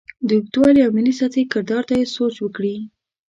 د اوږدوالي او ملي سطحې کردار ته یې سوچ وکړې.